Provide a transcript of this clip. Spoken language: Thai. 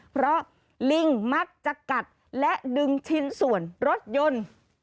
เพราะลิงมักจะกัดและดึงชิ้นส่วนรถยนต์